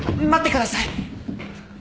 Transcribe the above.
待ってください。